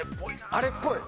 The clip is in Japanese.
あれっぽい。